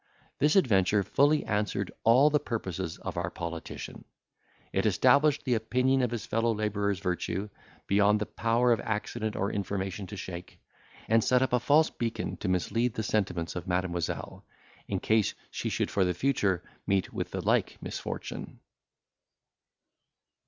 This adventure fully answered all the purposes of our politician; it established the opinion of his fellow labourer's virtue, beyond the power of accident or information to shake, and set up a false beacon to mislead the sentiments of Mademoiselle, in case she should for the future meet with the like misfortune.